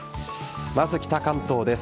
では北関東です。